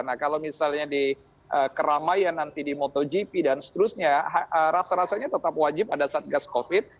nah kalau misalnya di keramaian nanti di motogp dan seterusnya rasa rasanya tetap wajib ada satgas covid